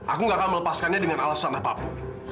aku gak akan melepaskannya dengan alasan apa pun